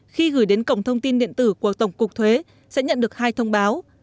khi gửi đến cổng thông tin điện tử của tổng cục thuế sẽ nhận được hai thông báo